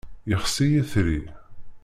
Yexsi yitri.